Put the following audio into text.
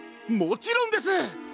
もちろんです！